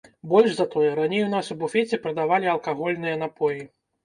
Больш за тое, раней у нас у буфеце прадавалі алкагольныя напоі.